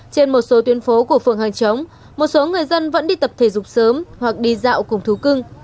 trên một số tuyến phố của phường hàng chống một số người dân vẫn đi tập thể dục sớm hoặc đi dạo cùng thú cưng